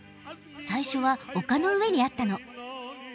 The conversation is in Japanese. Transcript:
最初は丘の上にあったの。